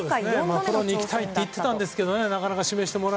プロに行きたいって言ってたんですけどねやっと。